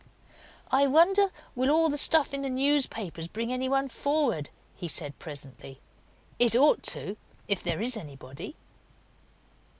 "I wonder will all the stuff in the newspapers bring any one forward?" he said, presently. "It ought to! if there is anybody."